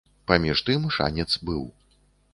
Паміж тым, шанец быў.